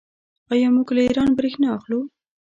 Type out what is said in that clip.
آیا موږ له ایران بریښنا اخلو؟